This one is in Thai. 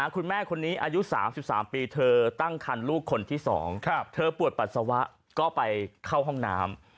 คุณแม่คนนี้อายุ๓๓ปีเธอตั้งคันลูกคนที่๒เธอปวดปัสสาวะก็ไปเข้าห้องน้ำ